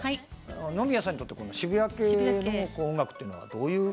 野宮さんにとって渋谷系の音楽というのは、どういう？